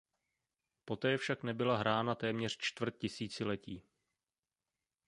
Poté však nebyla hrána téměř čtvrt tisíciletí.